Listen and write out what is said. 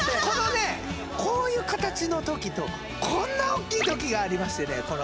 このねこういう形の時とこんな大きい時がありましてね